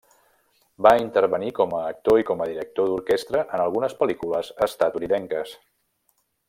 Va intervenir com a actor i com a director d'orquestra en algunes pel·lícules estatunidenques.